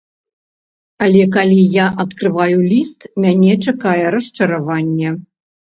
Але калі я адкрываю ліст, мяне чакае расчараванне.